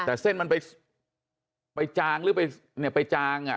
แต่เส้นมันไปจางหรือไปจาง